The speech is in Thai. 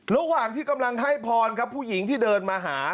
ระหว่างที่กำลังให้พรครับผู้หญิงที่เดินมาหา